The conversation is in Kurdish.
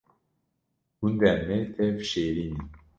Gundên Me Tev Şêrîn in